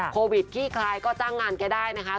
ขี้คลายก็จ้างงานแกได้นะคะ